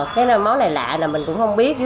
cái món này lạ mình cũng không biết